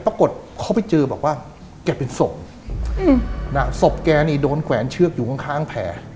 ปรากฏเขาไปเจอบอกว่าแกเป็นศพน่ะศพแกนี่โดนแขวนเชือกอยู่ข้างข้างแผล